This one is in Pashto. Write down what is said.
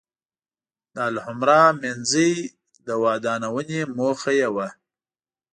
د الحمرأ منځۍ د ودانونې موخه یې وه.